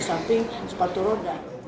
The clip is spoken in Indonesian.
di samping sepatu roda